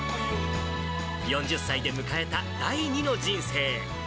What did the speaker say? ４０歳で迎えた第二の人生。